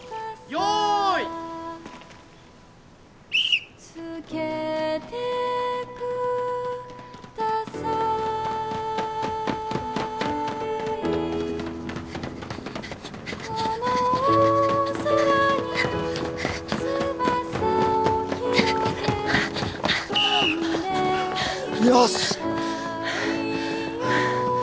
よし！